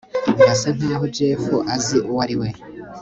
Birasa nkaho Jeff azi uwo ari we